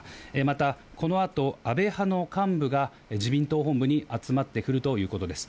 またこの後、安倍派の幹部が自民党本部に集まってくるということです。